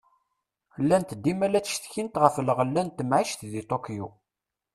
Llant dima la d-ttcetkint ɣef leɣla n temεict di Tokyo.